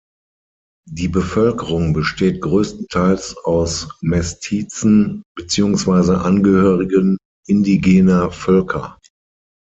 Die Bevölkerung besteht größtenteils aus Mestizen beziehungsweise Angehörigen indigener Völker.